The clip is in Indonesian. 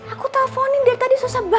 aku telfonin dia tadi susah banget